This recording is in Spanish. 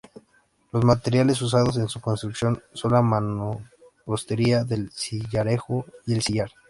Los materiales usados en su construcción son la mampostería, el sillarejo y el sillar.